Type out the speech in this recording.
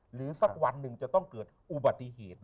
สักวันหนึ่งจะต้องเกิดอุบัติเหตุ